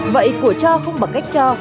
vậy của cho không bằng cách cho